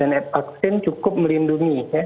dan vaksin cukup melindungi ya